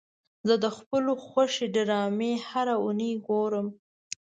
زه د خپلو خوښې ډرامې هره اونۍ ګورم.